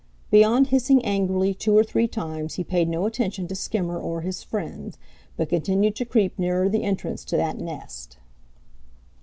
Beyond hissing angrily two or three times he paid no attention to Skimmer or his friends, but continued to creep nearer the entrance to that nest.